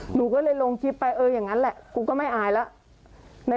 หนูก็เลยลงคลิปไปเอออย่างนั้นแหละกูก็ไม่อายแล้ว